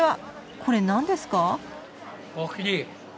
これ何ですか？